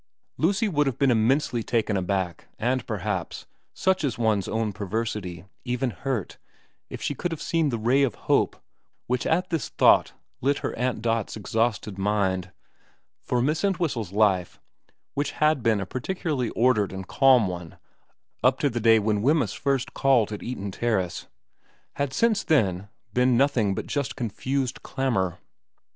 Lucy would have been immensely taken aback, and perhaps, such is one's perversity, even hurt, if she could have seen the ray of hope which at this thought lit her Aunt Dot's exhausted mind ; for Miss Entwhistle's life, which had been a particularly ordered and calm one up to the day when Wemyss first called at Eaton Terrace, had since then been nothing but just confused clamour.